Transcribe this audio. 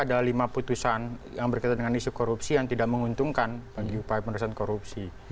ada lima putusan yang berkaitan dengan isu korupsi yang tidak menguntungkan bagi upaya pemerintahan korupsi